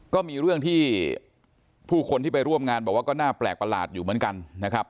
ก็มีเรื่องที่ผู้คนที่ไปร่วมงานบอกว่าก็น่าแปลกประหลาดอยู่เหมือนกันนะครับ